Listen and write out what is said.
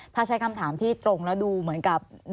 ถ้าใช้คำถามที่ตรงแล้วดูเหมือนกับ